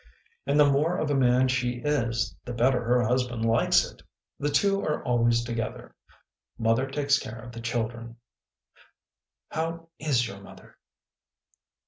And the more of a man she is, the better her husband likes it. The two are always together; Mother takes care of the children." " How is your mother